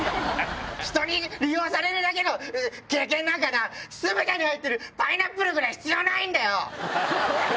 人に利用されるだけの経験なんかな、酢豚に入ってるパイナップルぐらい必要ないんだよ！